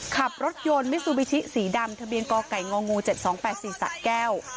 ขับรถยนต์มิซูบิชิสีดำทะเบียนกไก่ง๗๒๘๔สะแก้ว